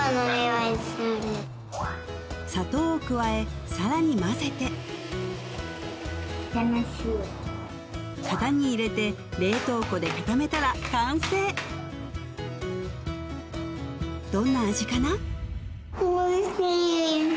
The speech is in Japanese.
砂糖を加え更に混ぜて型に入れて冷凍庫で固めたら完成どんな味かな？